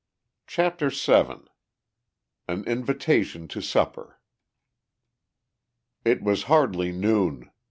CHAPTER VII AN INVITATION TO SUPPER It was hardly noon.